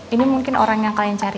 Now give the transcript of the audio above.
ini mungkin orang yang kalian cari